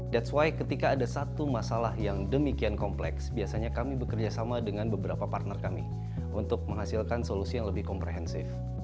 that's why ketika ada satu masalah yang demikian kompleks biasanya kami bekerjasama dengan beberapa partner kami untuk menghasilkan solusi yang lebih komprehensif